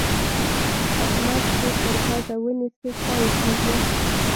احمد چې تر پزه ونيسې؛ سا يې خېږي.